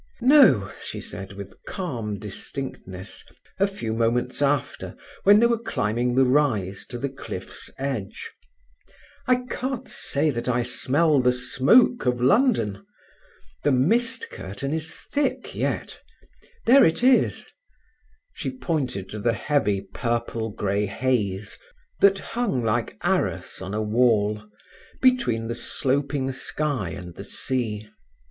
"No," she said, with calm distinctness, a few moments after, when they were climbing the rise to the cliff's edge. "I can't say that I smell the smoke of London. The mist curtain is thick yet. There it is"—she pointed to the heavy, purple grey haze that hung like arras on a wall, between the sloping sky and the sea.